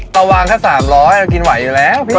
เราวางแค่๓๐๐เรากินไหวอยู่แล้ว